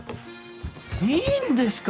いいんですか？